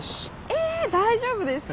え大丈夫ですか？